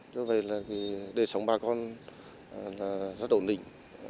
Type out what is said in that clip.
do vậy là đời sống bà con là rất ổn định